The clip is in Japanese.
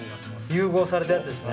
融合されたやつですね